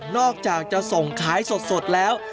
อกจากจะส่งขายสดแล้ว